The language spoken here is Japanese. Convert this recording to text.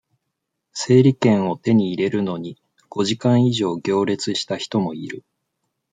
整理券を手に入れるのに、五時間以上行列した人もいる。